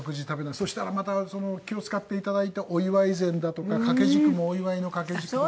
そしたらまた気を使っていただいてお祝い膳だとか掛け軸もお祝いの掛け軸とか。